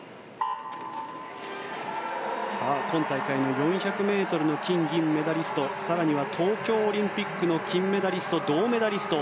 今大会の４００ｍの金、銀メダリスト更には東京オリンピックの金メダリスト、銅メダリスト。